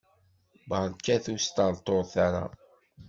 Berkat ur sṭerṭuret ara!